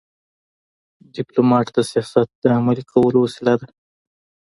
ډيپلومات د سیاست د عملي کولو وسیله ده.